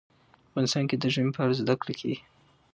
افغانستان کې د ژمی په اړه زده کړه کېږي.